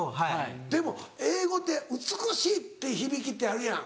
でも英語って美しい！って響きってあるやん。